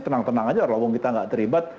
senang senang aja orang orang kita gak terlibat